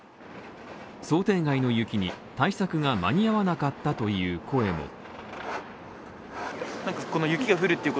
想定外の雪に対策が間に合わなかったという声も。